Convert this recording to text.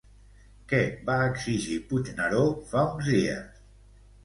Què va exigir Puigneró fa uns dies?